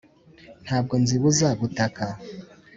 ntabwo nzibuza gutaka,